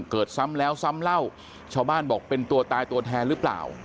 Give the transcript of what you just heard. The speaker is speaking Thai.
เกิดซ้ำแล้วซ้ำเล่าชาวบ้านบอกเป็นตัวตายตัวแทนหรือเปล่า